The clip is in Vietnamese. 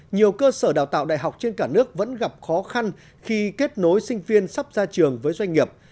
nhiều cơ sở đào tạo đại học trên cả nước vẫn gặp khó khăn khi kết nối sinh viên sắp ra trường với doanh nghiệp